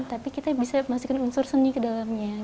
tapi kita bisa masukkan unsur seni ke dalamnya